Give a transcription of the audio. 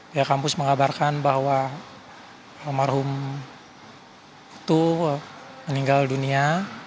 pihak kampus mengabarkan bahwa almarhum itu meninggal dunia